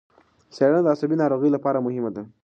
څېړنه د عصبي ناروغیو لپاره مهمه ده.